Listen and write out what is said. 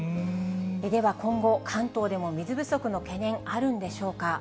では今後、関東でも水不足の懸念、あるんでしょうか。